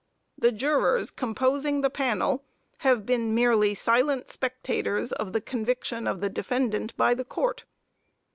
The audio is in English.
The jurors composing the panel have been merely silent spectators of the conviction of the defendant by the Court.